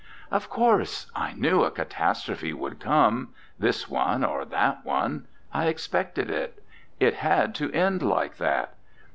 '' "Of course! I knew a catastrophe would come this one or that one. I expected it. It had to end like that.